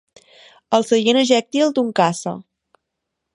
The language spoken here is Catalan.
El seient ejèctil d'un caça.